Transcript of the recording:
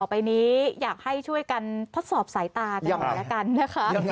ไปนี้อยากให้ช่วยกันทดสอบสายตากันหน่อยละกันนะคะ